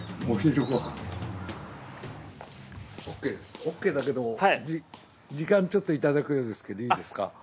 オッケーだけど時間ちょっといただくようですけどいいですか？